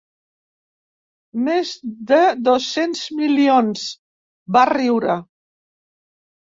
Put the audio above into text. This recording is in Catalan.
Més de dos-cents milions —va riure—.